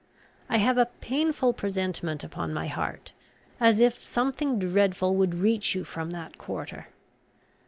I have a painful presentiment upon my heart, as if something dreadful would reach you from that quarter.